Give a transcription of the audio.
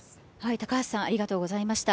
高橋さんありがとうございました。